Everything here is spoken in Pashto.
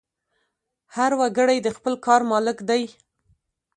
هر وګړی د خپل کار مالک دی.